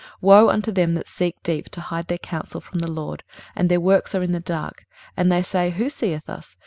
23:029:015 Woe unto them that seek deep to hide their counsel from the LORD, and their works are in the dark, and they say, Who seeth us?